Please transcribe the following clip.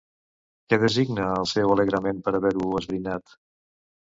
Què designa el seu alegrament per haver-ho esbrinat?